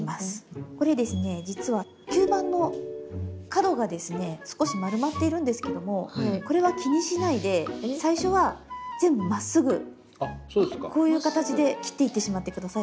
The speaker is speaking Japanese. これですね実は吸盤の角がですね少し丸まっているんですけどもこれは気にしないで最初は全部まっすぐこういう形で切っていってしまって下さい。